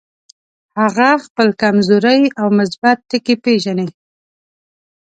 هغه خپل کمزوري او مثبت ټکي پېژني.